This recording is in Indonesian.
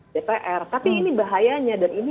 dpr tapi ini bahayanya dan ini